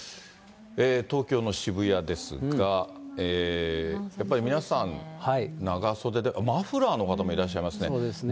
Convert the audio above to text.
東京の渋谷ですが、やっぱり皆さん、長袖で、マフラーの方もいらっしゃいますね。